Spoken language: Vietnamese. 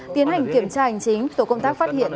tiến hành kiểm tra hành chính tổ công tác phát hiện